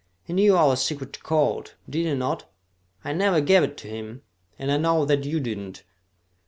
He knew our secret code, did he not? I never gave it to him, and I know that you did not.